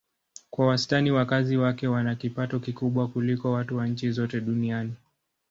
Kwa wastani wakazi wake wana kipato kikubwa kuliko watu wa nchi zote duniani.